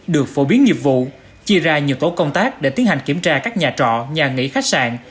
được phổ biến nghiệp vụ chia ra nhiều tổ công tác để tiến hành kiểm tra các nhà trọ nhà nghỉ khách sạn